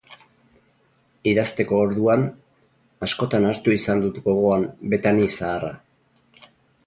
Idazteko orduan, askotan hartu izan dut gogoan Betani zaharra.